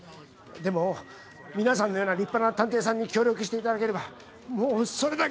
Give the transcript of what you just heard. でも皆さんのような立派な探偵さんに協力していただければもうそれだけで。